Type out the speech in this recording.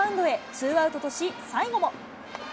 ツーアウトとし、最後も。